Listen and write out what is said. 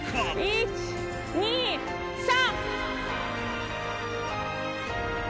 １・２・３！